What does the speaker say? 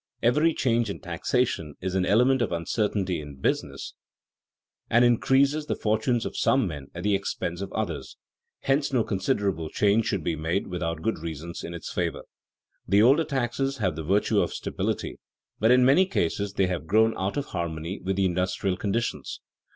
Every change in taxation is an element of uncertainty in business and increases the fortunes of some men at the expense of others. Hence no considerable change should be made without good reasons in its favor. The older taxes have the virtue of stability, but in many cases they have grown out of harmony with the industrial conditions.